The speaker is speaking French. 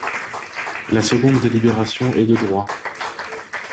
La seconde délibération est de droit.